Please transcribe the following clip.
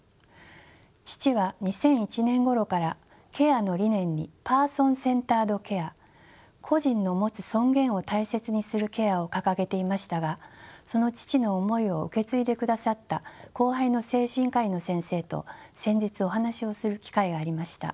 父は２００１年ごろからケアの理念にパーソン・センタード・ケア個人の持つ尊厳を大切にするケアを掲げていましたがその父の思いを受け継いでくださった後輩の精神科医の先生と先日お話をする機会がありました。